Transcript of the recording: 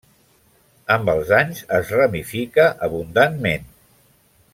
Amb els anys es ramifica abundantment.